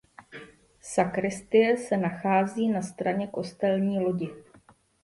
Sakristie se nachází na straně kostelní lodi.